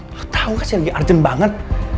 lo tau gak sih lagi arjen banget